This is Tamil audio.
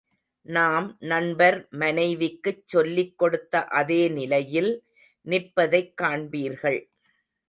நாம் நண்பர் மனைவிக்குச் சொல்லிக் கொடுத்த அதே நிலையில் நிற்பதைக் காண்பீர்கள்.